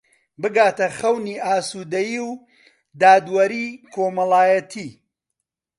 بگاتە خەونی ئاسوودەیی و دادوەریی کۆمەڵایەتی